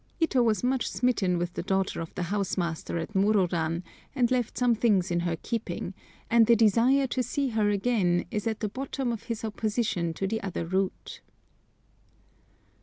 Ito was much smitten with the daughter of the house master at Mororan, and left some things in her keeping, and the desire to see her again is at the bottom of his opposition to the other route.